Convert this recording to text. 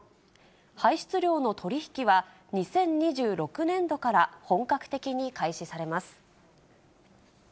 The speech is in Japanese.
排出量の取り引きは、２０２６年度から本格的に開始されます。